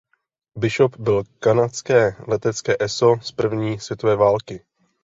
Bishop byl kanadské letecké eso z první světové války.